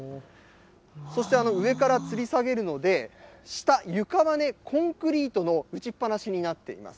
そして、上からつり下げるので、下、床はコンクリートの打ちっ放しになっています。